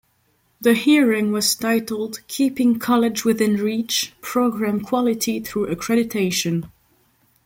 The hearing was titled Keeping College Within Reach: Program Quality through Accreditation.